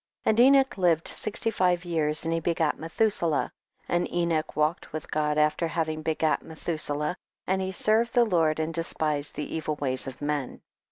And Enoch lived sixty five years and he begat Methuselah ; and Enoch walked with God after having begot Methuselah, and he served the Lord, and despised the evil ways of men.